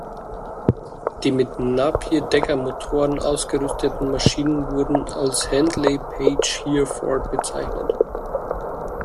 Die mit Napier Dagger-Motoren ausgerüsteten Maschinen wurden als "Handley Page Hereford" bezeichnet.